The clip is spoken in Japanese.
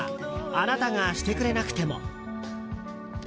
「あなたがしてくれなくても」。